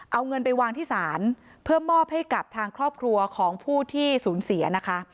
เอาเงินไปวางที่ศาลเพื่อมอบให้กับทางครอบครัวของผู้ที่สูญเสียนะคะ